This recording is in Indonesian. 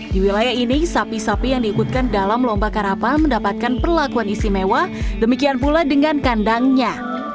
di wilayah ini sapi sapi yang diikutkan dalam lomba karapan mendapatkan perlakuan istimewa demikian pula dengan kandangnya